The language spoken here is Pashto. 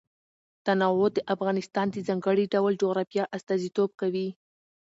تنوع د افغانستان د ځانګړي ډول جغرافیه استازیتوب کوي.